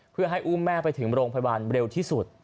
เพื่อให้อุ้มแม่ไปถึงโรงพยาบาลเร็วที่สุด